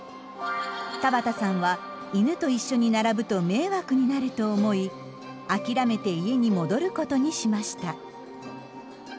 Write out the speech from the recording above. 田畑さんは犬と一緒に並ぶと迷惑になると思い諦めて家に戻ることにしました。